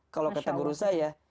kalau kata guru saya